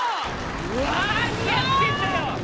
何やってんだよ！